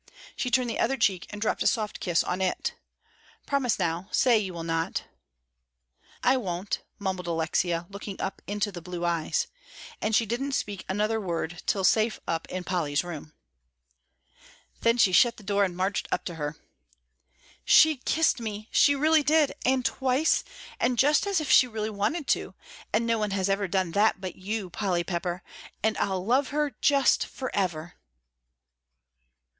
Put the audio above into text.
She turned the other cheek, and dropped a soft kiss on it. "Promise now, say you will not." "I won't," mumbled Alexia, looking up into the blue eyes, and she didn't speak another word till safe up in Polly's room. Then she shut the door and marched up to her. "She kissed me, she really did, and twice, and just as if she really wanted to! And no one has ever done that but you, Polly Pepper, and I'll love her just forever!"